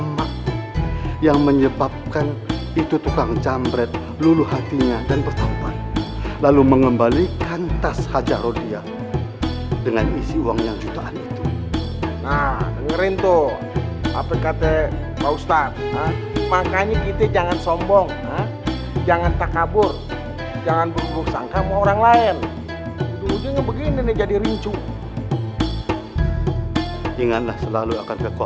sampai jumpa di video selanjutnya